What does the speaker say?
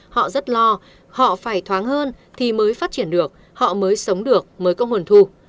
họ rất lo họ phải thoáng hơn thì mới phát triển được họ mới sống được mới có nguồn thu